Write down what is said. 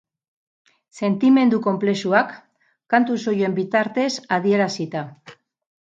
Sentimendu konplexuak, kantu soilen bitartez adierazita.